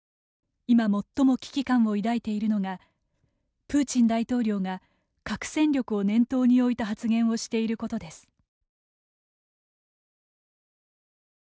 今、最も危機感を抱いているのがプーチン大統領が核戦力を念頭に置いた発言をしていることです。